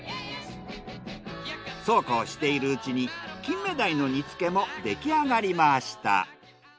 そうこうしているうちにキンメダイの煮付けもできあがりました。